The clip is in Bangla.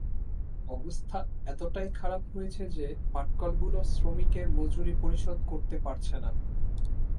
অবস্থা এতটাই খারাপ হয়েছে যে পাটকলগুলো শ্রমিকের মজুরি পরিশোধ করতে পারছে না।